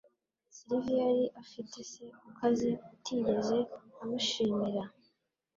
Silvia yari afite se ukaze utigeze amushimira.